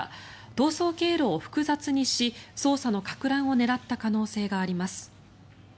逃走経路を複雑にし捜査のかく乱を狙った可能性があります。